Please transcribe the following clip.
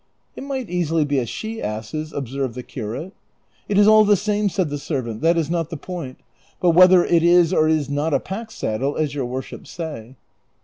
" It might easily be a she ass's," observed the curate. " It is all the same," said the servant ;" that is not the point ; but whether it is oris not a pack saddle, as your worsliips say."